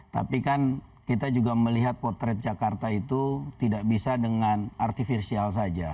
tapi kan kita juga melihat potret jakarta itu tidak bisa dengan artifisirsial saja